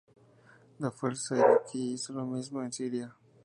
La Fuerza Iraquí hizo lo mismo en Siria.